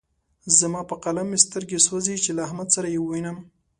زما په قلم مې سترګې سوځې چې له احمد سره يې ووينم.